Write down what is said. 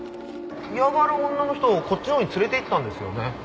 嫌がる女の人をこっちのほうに連れていったんですよね。